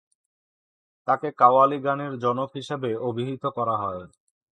তাকে কাওয়ালী গানের জনক হিসেবে অভিহিত করা হয়।